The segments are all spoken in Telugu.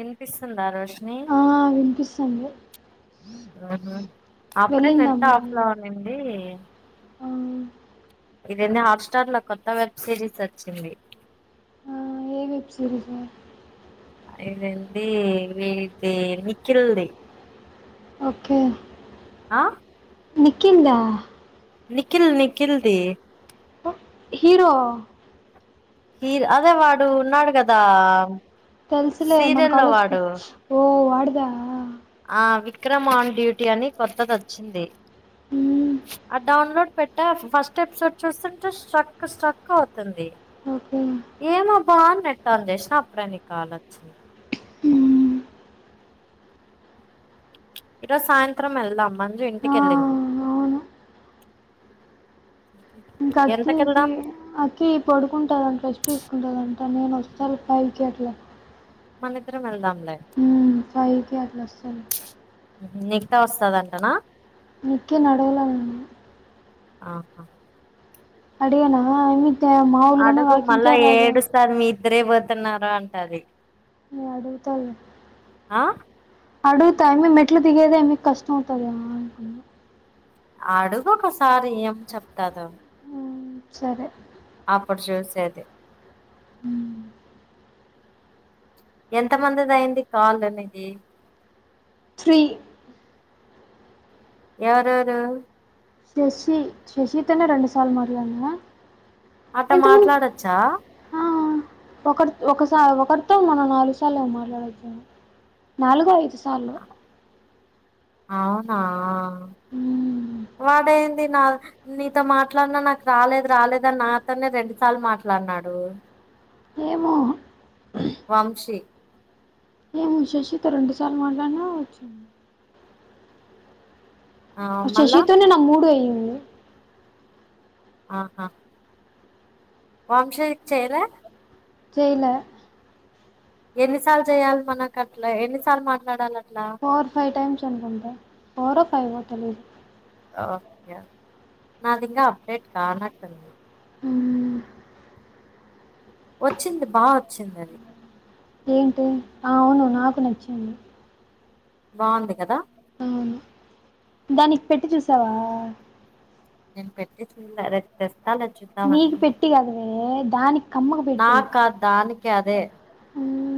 ఇన్పిస్తుందా రోష్ని ఆ వినిపిస్తుంది అప్పుడే వెళ్ళిందా నెట్ ఆఫ్ మళ్ళీ లో ఉనింది ఆ ఇదేందీ హాట్ స్టార్ లో కొత్త వెబ్ సిరీస్ వచ్చింది ఆ ఏ వెబ్ సీరీస్సు ఇందెంటి ఇది నిఖిల్ ది ఓకే ఆ నిఖిల్దా నిఖిల్ నిఖిల్ది హీరో హి అదే వాడు ఉన్నాడు గదా తెలుసులే మన కాలేజ్ కి ఓ వాడిదా ఆ విక్రమ్ ఆన్ డ్యూటీ అని కొత్తది వచ్చింది మ్మ్ అద్ డౌన్లోడ్ పెట్ట ఫస్ట్ ఎపిసోడ్ చూస్తుంటే స్ట్రక్ స్ట్రక్ అవుతుంది ఓకే ఏమో బా నెట్ ఆన్ జేసిన అప్పుడే నీ కాల్ వచ్చింది మ్మ్ ఈరోజు సాయంత్రం వెళ్దాం మంజు ఆ ఇంటికెళ్ళింది అవును ఇంకా అక్కికి ఎంతకెళ్దాం అకి పడుకుంటదంట రెస్ట్ తీసుకుంటదంట నేను వస్తాలె ఫైవ్ కీ అట్లా మనిద్దరం వెళ్దాంలే ఫైవ్ కీ అట్లా వస్తాలే నికితా వస్తదంటనా నిఖిని అడగలా నేను ఆహా అడిగనా ఎమితే మాములుగానే వాకింగ్కే రాదు రే పోతున్నార అంటది ఏ అడుగుతాలె ఆ అడుగుతా యమి మెట్లు దిగేదే యమీ కష్టం అవుతది అనుకు అడుగు ఒకసారి ఏం చెప్తాదో సరే [unintelligible] [inaudible] ఎంత మందిది అయింది కాలు నీది త్రీ ఎవరెవరు శశి శశితోనే రెడు సాలు మాట్లాడిన అట్ట మాట్లాడోచ్చా ఒకరి ఒకసా ఒకరితో మనం నాలుగు సార్లు మాట్లాడోచ్చ నాలుగో -ఐదు సార్లు అవునా మ్మ్. వాడేంది న నీతో మాట్లాడినా నాకు రాలేదు రాలేదు అని నాతోనే రెండు సార్లు మాట్లాడినాడు ఏమో వంశి ఏం శశి తో రెండుసార్లు మాట్లానా వచ్చు ఆ మళ్ళా శశితోనే నా మూడు అయ్యింది ఆహ వంశి చేయల్యా చెల్య ఎన్నిసాల్ చెయాలి మనకు అట్లా ఎన్నిసార్లు మాట్లాడాల ఫోర్ ఫైవ్ టైమ్స్ అనుకుంటా ఫోర్ ఫైవో తెలీదు ఓకే నాది ఇంకా అప్డేట్ కానట్ంది ఉమ్మ్ వచ్చింది బా వచ్చింది అది ఏంటి అ అవును నాకు నచ్చింది. బావుంది కదా అవును దాని పెట్టి చూసావా నేను పెట్టి చూళ్య రేపు తెస్తాల నీకు చుద్దామని పెట్టి కాదువే దానికి కమ్మకు పెట్టి దానికి అదే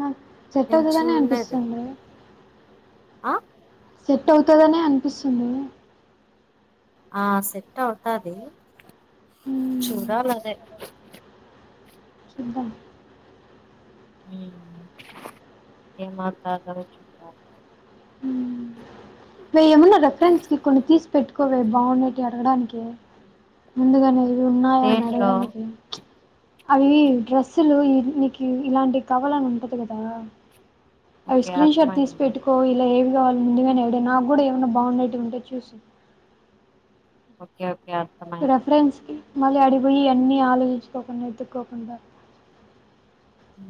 నాకు సెట్ నేను అవుతదనే చూడలేదు అనిపిస్తుంది ఆ సెట్ అవుతదనే అనిపిస్తుంది ఆ సెట్ అవుతాది చూడాలదే చూదాం ఏ మాట్లాతాడో చూడాలి ఉమా వే ఏమన్నా రెఫరెన్స్ కి కొన్ని తీసి పెట్టుకోవే బావున్నేటివి అడగడానికి ముందుగనే ఇవి ఉన్నాయా అని దేంట్లో అడగడానికి అవి డ్రస్సులు ఈ నీకు ఇలాంటివి కావాలని ఉంటది కదా అవి ఓకే స్క్రీన్ షర్ట్ తీసి అర్థమైంది పెట్టుకో ఇలా ఏం ముందుగానే ఎడ నాక్ గూడా ఏమైన్నా బాగుండేట్వి ఉంటే చూసి ఓకే ఓకే అర్థమైంది రెఫరెన్స్ కి మళ్ళీ అడిపోయి అన్ని ఆలోచించుకోకుండా ఎతుక్కోకుండా అ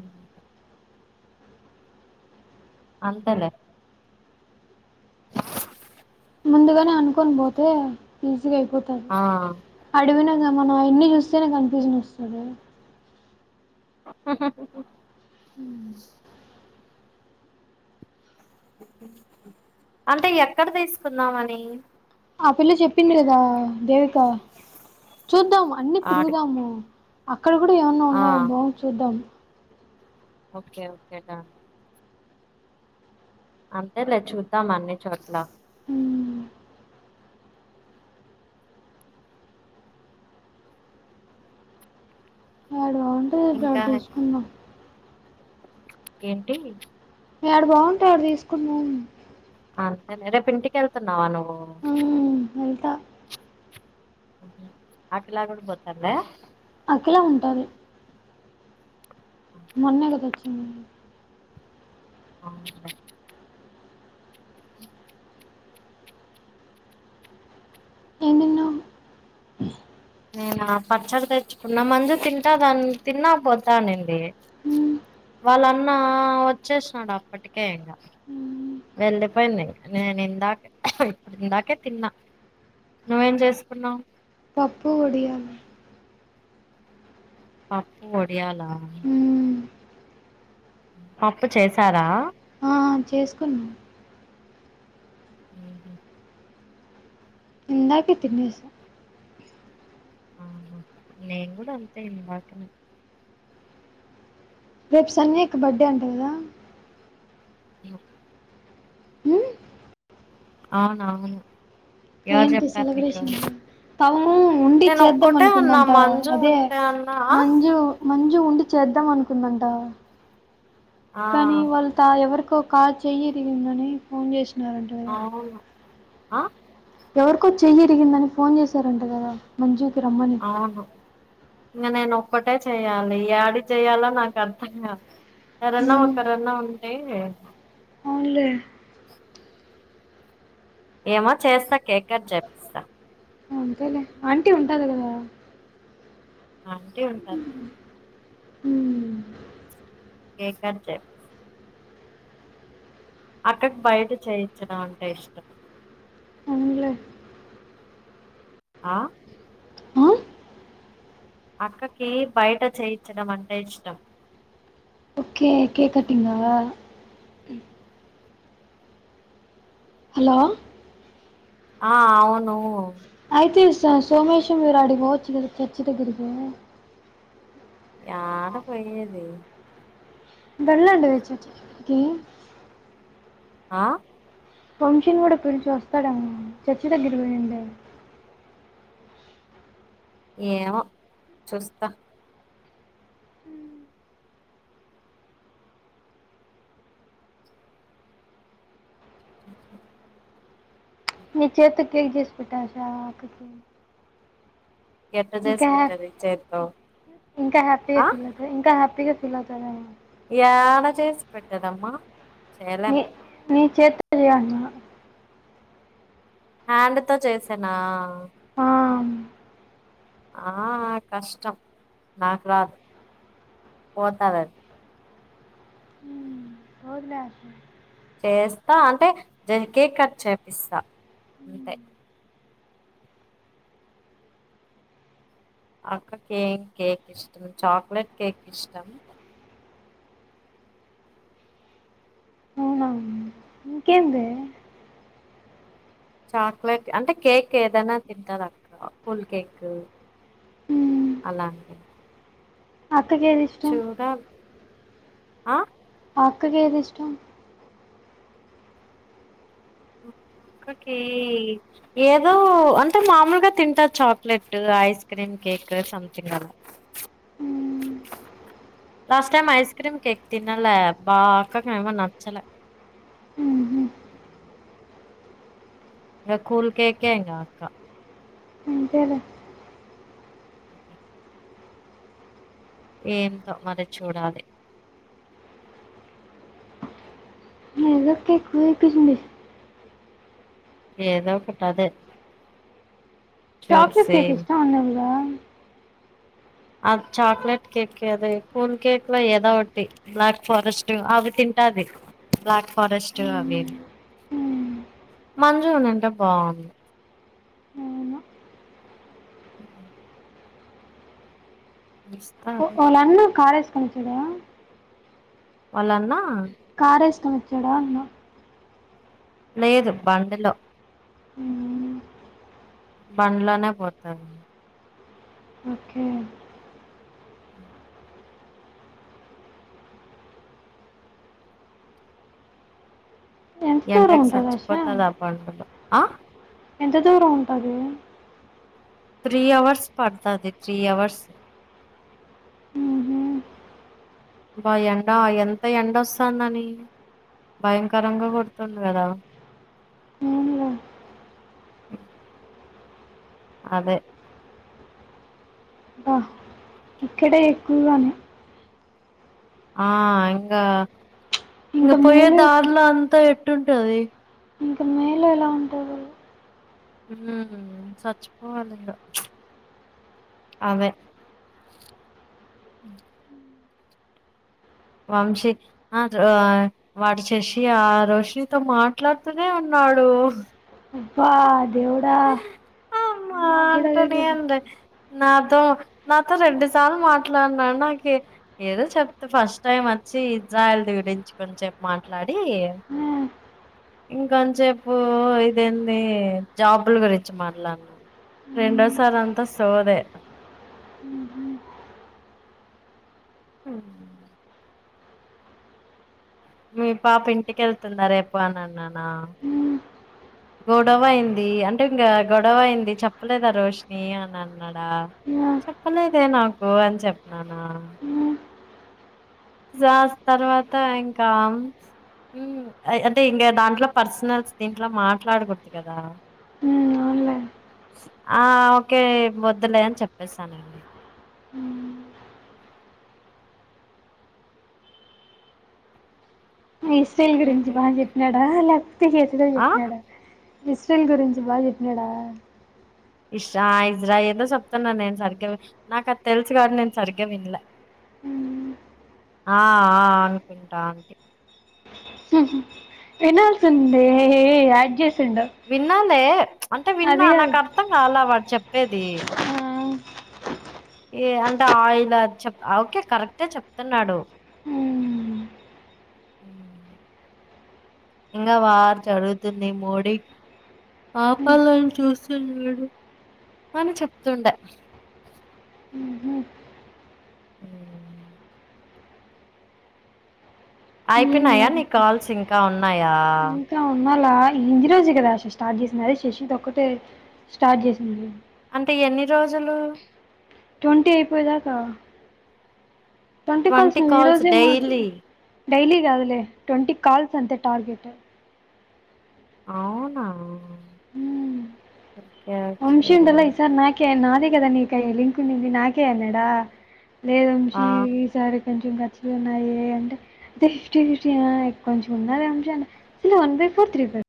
అంతలే ముందుగానే అనుకొని పోతే ఈజీగా అయిపోతుంది ఆ అడిగీన మనం అయన్ని చూస్తేనే కన్ఫ్యూజన్ వస్తుంది ఉ హు ఉ అంటే ఎక్కడ తీసుకున్నామని ఆ పిల్ల చెప్పింది కదా దేవిక చూద్దాము అన్ని ఆడి తిరుగుదాము అక్కడ కూడా ఏమన్నా ఆ ఉన్నాయో బా చూద్దాం ఓకే ఓకే డన్ అంతే లే చూద్దాం అన్ని చోట్ల ఉ ఏడ బాగుంటే ఆడ ఇంకా తీసుకుందాం ఏంటి యాడ బాగుంటే యాడ తీసుకుదం అంతే రేపు ఇంటికి వెళ్తున్నావా నువ్వు వెంత ఆకలి ఆగడు గతల్లే అక్కలా ఉంటారు మొన్నే కద వచ్చిందడి అవు ఎమ్ తిన్నావ్ నేను పచ్చడి తెచ్చుకున్న మందు తింటా దాన్ని తిన్నా పోతానండి హ్మ్ వాళ్ళన్నా వచ్చేసినడు అప్పటికే ఇంకా ఉ వెళ్ళిపోయింది నేను ఇందాక ఇప్పుడు ఇందాకే తిన్నా నువ్వేం చేసన్నవ్ పప్పు ఒడియాల పప్పు ఒడియాలా హ్మ్ పప్పు చేశారా ఆ చేసుకున్నాము ఉ హు ఇందాకే తినేసా ఆహా నేను కూడా అంతే ఇందాకే రేపు సన్నీ అక్క బర్త్డే అంట కదా ఉ ఉమ్, అవునా అవును ఏంటి సెలబ్రేషన్ తము ఉండి నేను చేద్దాం ఒక్కటే ఉన్నా అనుకుందంట మంజు అదే ఉంటే అన్నా మంజు మంజు ఉండి చేద్దాం అనుకుందంట ఆ కానీ వాళ్ళ ఎవరికో కాల్ చెయ్య ఇరిగిందని ఫోన్ చేసినారంట కదా అవును ఆ ఎవరికో చెయ్యరిగిందని ఫోన్ చేశారంట కదా మంజు అవును ఇంకా నేను అటే చేయ్యాలి ఏడి చేయయాలో నాకు అర్థం కాదు ఎవరన్నా ఉమ్, ఒక్కరన్నా ఉంటే ఏందే ఆలేె ఏమో చేస్తా కేకు కట్. చేపిస్తా అంతేలే ఆంటీ ఉంటుంది కదా ఆ ఆంటీ ఉంటారు ఉమ్, కేక కట్ చేపిస్తారు అక్కకి బయట చేయించడం అంటే ఇష్టం అవునులే ఆ ఆ? అక్కకి బయట చేయించడం అంటే ఇష్టం. ఓకే కేక్ కట్టింగా హలో ఆ అవును. అయితే సో సోమేశం మీరు ఆడికిపోచ్చు కాద చర్చ్చి దగ్గిరికి యాడ పోయ్యేది. వెళ్ళండి మీరు చర్చ్ దగ్గరికి ఆ వంశీని కూడా పిల్చు వస్తాడేమో చర్చ్ దగ్గరకి పోయిండే ఏమో చూస్తా చూస్తా నీ చేత్తో కేక్ చేసి పెట్టాచ్చా ఆ అక్కకి ఎట్ట చేసి ఇంకా పెట్టేది చేత్తో హ్యపీ ఇంకా హ్యాపీగా ఆ ఫీలవుతాది. ఇంకా హ్యాపీగా ఫీల్ అవుతాదేమో. యాడ చేసి పెట్టేదమ్మా చేయలేం మీ మీ చేత్తో చేయంటున్నా హ్యాండ్ తో చేసేనా ఆవును. ఆ కష్టం నాక్రాదు పోతాదది. పోదులే అక్క చేస్తా అంటే దాన్కి కేక్కట్ చేపిస్తా అంతే అక్కకే కేక్ ఇష్టం. చాక్లెట్ కేక్ ఇష్టం. ఇంకేంలే చాక్లెట్ అంటే కేక్ ఏదైనా తింటాదక్క కూల్ కేక్ అలాంటివి అక్కకేదిష్టం. చూడాలి ఆ అక్క కేదిష్టం. అక్కకి ఏదో అంటే మామూలుగా తింటాది. చాక్లెట్ ఐస్ క్రీమ్ కేక్ సమ్తింగలా మ్ last time ice cream cake తినలే బా అక్కకేమో నచ్చలే. మ్ హు ఇంగ కూల్ కేకే ఇంగ అక్క. అంతేలే ఏందో మరి చూడాలి. నేలక్ ఎక్కువైపోయింది. ఏదోకటదే చాక్లెట్ కేక్ ఇష్టమన్నదిగా అ చాక్లేెట్ కేక్ యాదో కూల్ కేక్లో ఏదో ఒకటి బ్లాక్ ఫారెస్ట్ అవి తి ంటాది. బ్లాక్ ఫారెస్ట్ అవేవి మ్మ్. మంజు ఉన్నింటే బాగుండు అవును మ్. మీస్ ఒ వాళ్ళన్న కారేసుకొనేచ్చేదా వాళ్లన్నా కారేసుకొనొచ్చాడా అన్న లేదు బండిలో మ్మ్. బండ్లోనే పోతారు. ఓకే ఎంత దూరం ఎండకి ఉంటుంది ఆశ సచ్చిపోతదా బండులో ఆ ఎంత దూరం ఉంటది. త్రీ అవర్స్ పడుతుది త్రీ అవర్స్ మ్మ్హ. బా ఎండ ఎంత ఎండ వస్తానని భయంకరంగా కుడుతుంది కదా ఏంలే. అ అదే బా ఇక్కడే ఎక్కువగానే ఆ ఇకా ఇంగ ఇంకా పోయ్యే మేలు ఎప్పు- దారులా అంతా అట్టుంటుంది నేలో ఎలా ఉంటారు ఉ చచ్చిపోవాలి ఇకా అదే వంశీ ఆ వాడు చసి ఆ రోషితో మాట్లాడుతూనే ఉన్నాడు ఆడు అబ్బా దవుడ అమ్మా నాబడ అంటనే అంది నాతో నాతో రెండు సార్లు మాట్లాడినాడు నాకు ఏదో చెప్తే ఫస్ట్ టైమ్ అ వచ్చి జయల్ది గురించి కొంచసేపు మాట్లాడి ఆ. ఇంకంతసేపు ఇదేంది జాబులు గురించి మాట్లాన్నా మ్మ్. రెండోసార్ అంతా సోదే ఉహ హ మీ పాప ఇంటికెళ్తుందా రేపు అని అన్నానా మ్మ్. గొడవ అయింది అంటే ఇంకా గొడవ అయింది చెప్పలేదా రోషిని అని అన్నాడా న అదే నాకు అని చెప్పన్నానా మ్మ్. సాస్ తర్వాత ఇంకా అంటే ఇంకా దాంట్లో పర్సనల్స్ దీంట్లో మాట్లాడకూడదు కదా హ్మ్ అవునులే ఆ ఓకే వొద్దులే అని చెప్పేస్తానండి ఇశ్రైల్ గురించి బాగా చెప్పినాడా లేకపోతే చేతితో ఆ చెప్పినాడా ఇస్రైల్ గురించి బాగా చెప్పినాడా ఇషా ఇజ్రా ఏదో చెప్తున్నా నేను సరిగ్గా నాకు అది తెలుసు కాదు నేను సరిగ్గా వినలే ఉ ఆ అనుకుంటా అంట వినాల్స్ండే ఆడ్ చేసిండ అే అంటే విన్నా నాకు అర్థం కాల వాడు చెప్పేది ఆ ఏ అంటే ఆయిల్ చెప్ ఓకే కరెక్టే చెప్తున్నాడు హ్మ్ ఇంకా వారు చదుగుతుంది మోడీ ఆపాలను చూస్తున్నాడు అని చెప్తుండ ఉ ఏం అయిపోనాయా మరి నీ కాల్స్ ఇంకా ఉన్నాయా ఇ ఉన్నాలా ఇజ రోజు కదా స్టార్ట్ చేసింది అదే శశితో ఒక్కటే స్టార్ట్ చేసింది అంటే ఎన్ని రోజులు ట్వంటీ అయిపోయిదాకా ట్వంటీ కాల్స్ నవ ఈ రోజే డైలీగా కాదులీ ట్వంటీ కాల్స్ అంత టార్గెట్డ్ అవునా హ్మ్ యకే ే నాదే కదా నీకయ లింక్న్నింది నాకే అన్నాడా లేదంషీ ఆ ఈ సారి కి కొంచెం ఖర్చులు ఉన్నాయి అంటే అయితే ఫిఫ్టీ ఫిఫ్టీ కొంచెం ఉన్నది అసలు one by three four three phi